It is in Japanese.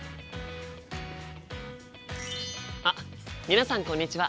あっ皆さんこんにちは！